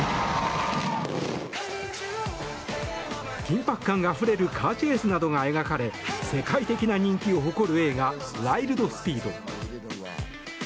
緊迫感あふれるカーチェイスなどが描かれ世界的な人気を誇る映画「ワイルド・スピード」。